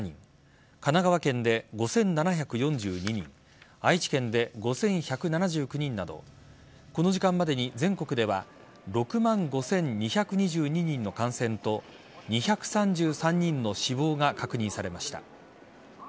神奈川県で５７４２人愛知県で５１７９人などこの時間までに全国では６万５２２２人の感染と２３３人の死亡が確認されました。